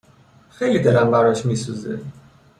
خیلی دلم براش می سوزه